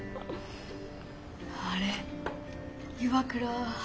あれ岩倉悠